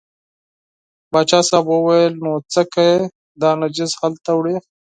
پاچا صاحب وویل نو څه کوې دا نجس هلته وړې.